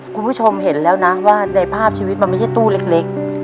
คุณผู้ชมเห็นแล้วนะว่าในภาพชีวิตมันไม่ใช่ตู้เล็ก